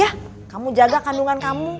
eh kamu jaga kandungan kamu